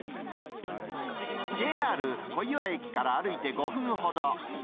ＪＲ小岩駅から歩いて５分ほど。